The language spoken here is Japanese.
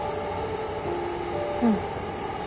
うん。